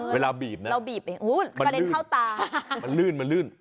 เวลาบีบนะมันลื่นมันลื่น